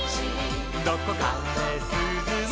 「どこかですずも」